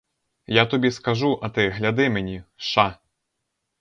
Я тобі скажу, а ти — гляди мені — ша!